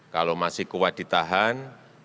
kalau masih kuat ditahan